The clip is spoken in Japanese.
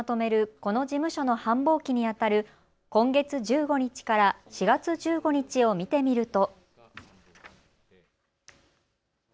この事務所の繁忙期にあたる今月１５日から４月１５日を見てみると。